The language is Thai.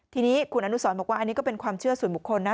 ทีนี้คุณอนุสรบอกว่าอันนี้ก็เป็นความเชื่อส่วนบุคคลนะ